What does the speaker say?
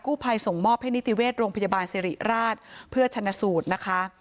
ภัยส่งมอบให้นิติเวชโรงพยาบาลสิริราชเพื่อชนะสูตรนะคะ